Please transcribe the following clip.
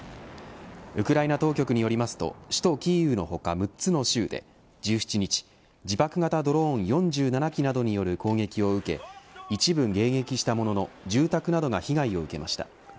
ウクライナ当局によりますと首都キーウの他６つの州で１７日、自爆型ドローン４７機などによる攻撃を受け一部迎撃したものの住宅などが被害を受けました。